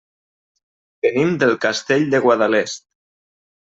Venim del Castell de Guadalest.